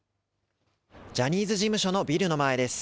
ジャニーズ事務所のビルの前です。